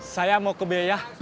saya mau ke biayah